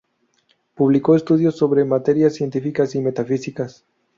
Publicó estudios sobre materias científicas y metafísicas.